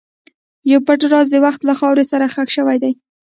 یو پټ راز د وخت له خاورې سره ښخ شوی دی.